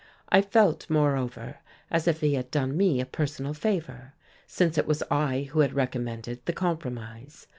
I felt, moreover, as if he had done me a personal favour, since it was I who had recommended the compromise.